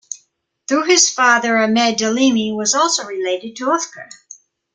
Through his father Ahmed Dlimi was also related to Oufkir.